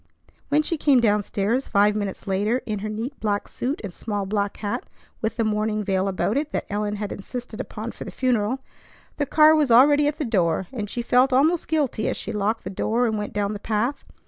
When she came down stairs five minutes later in her neat black suit and small black hat with the mourning veil about it that Ellen had insisted upon for the funeral, the car was already at the door, and she felt almost guilty as she locked the door and went down the path.